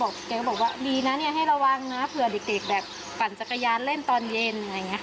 เก็บบอกว่าดีนะให้ระวังนะเผื่อเด็กแบบปั่นจักรยานเล่นตอนเย็น